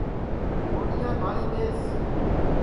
گوڈِؔیاں ڈؔݪی ٻیس